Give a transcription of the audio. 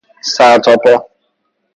سر تا پا